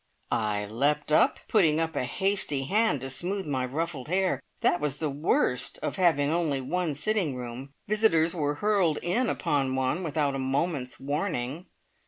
I leapt up, putting up a hasty hand to smooth my ruffled hair. That was the worst of having only one sitting room! Visitors were hurled in upon one without a moment's warning.